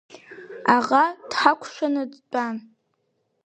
Аӷа дҳакәшаны дтәан.